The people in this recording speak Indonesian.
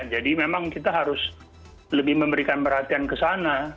jadi memang kita harus lebih memberikan perhatian ke sana